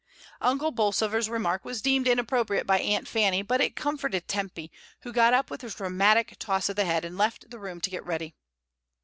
Uncle Bolsover's remark was deemed inappro priate by Aunt Fanny, but it comforted Tempy, who got up with a dramatic toss of the head and left the room to get ready.